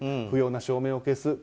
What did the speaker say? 不要な照明を消す。